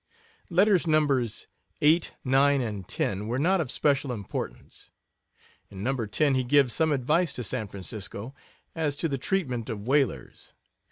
Letters Nos. 8, 9, and 10 were not of special importance. In No. 10 he gives some advice to San Francisco as to the treatment of whalers.